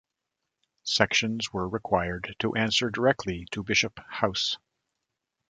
Sections were required to answer directly to Bishop House.